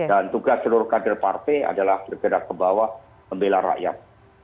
tugas seluruh kader partai adalah bergerak ke bawah membela rakyat